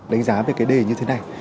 đánh giá về cái đề như thế này